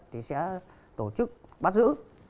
thì sẽ tổ chức bắt giữ